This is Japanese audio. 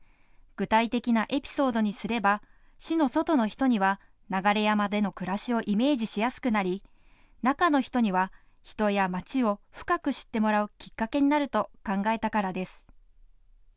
具体的なエピソードにすれば市の外の人には流山での暮らしをイメージしやすくなり中の人には人やまちを深く知ってもらうきっかけになると考えたからです。